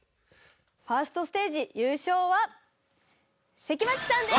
ファーストステージ優勝は関町さんです！